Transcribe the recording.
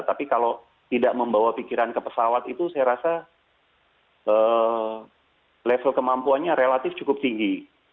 tapi kalau tidak membawa pikiran ke pesawat itu saya rasa level kemampuannya relatif cukup tinggi